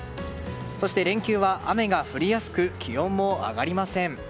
そして連休は雨が降りやすく気温も上がりません。